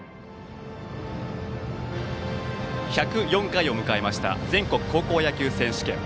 １０４回を迎えました全国高校野球選手権。